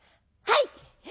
「はい！